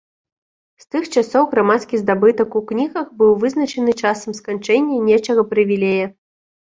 З тых часоў грамадскі здабытак у кнігах быў вызначаны часам сканчэння нечага прывілея.